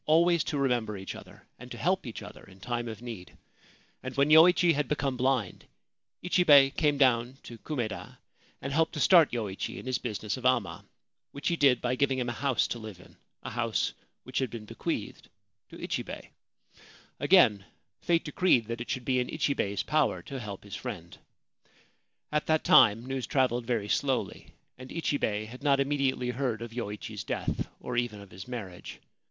31 Ancient Tales and Folklore of Japan to remember each other, and to help each other in time of need, and when Yoichi had become blind Ichibei came down to Kumeda and helped to start Yoichi in his business of amma, which he did by giving him a house to live in — a house which had been bequeathed to Ichibei. Again fate decreed that it should be in Ichibei's power to help his friend. At that time news travelled very slowly, and Ichibei had not immediately heard of Yoichi's death or even of his marriage.